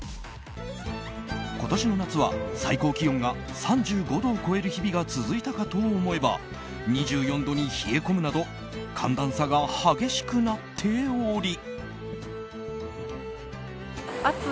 今年の夏は最高気温が３５度を超える日々が続いたかと思えば２４度に冷え込むなど寒暖差が激しくなっており。